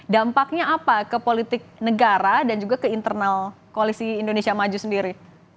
dampaknya apa ke politik negara dan juga ke internal koalisi indonesia maju sendiri